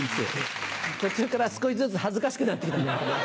途中から少しずつ恥ずかしくなって来たんじゃ。